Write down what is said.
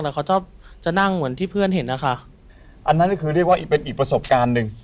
แล้วเขาจะจะนั่งเหมือนที่เพื่อนเห็นนะคะอันนั้นก็คือเรียกว่าเป็นอีกประสบการณ์หนึ่ง